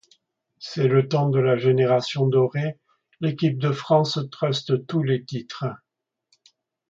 C'est le temps de la génération dorée, l'équipe de France truste tous les titres.